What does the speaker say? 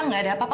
gak ada apa apa